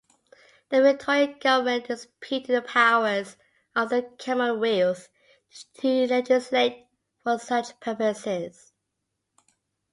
The Victorian Government disputed the powers of the Commonwealth to legislate for such purposes.